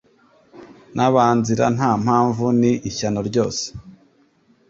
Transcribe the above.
n’abanzira nta mpamvu ni ishyano ryose